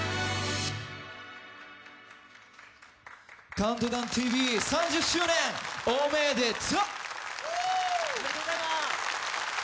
「ＣＤＴＶ」３０周年、おめでと！